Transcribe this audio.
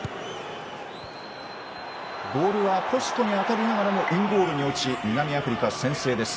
ボールはポストに当たりながらもインゴールに落ち南アフリカ、先制です。